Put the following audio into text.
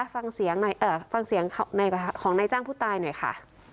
ฟังเสียงหน่อยฟังเสียงของนายจ้างผู้ตายหน่อยค่ะ